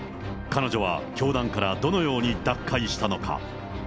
彼女は教団からどのように脱会したのか。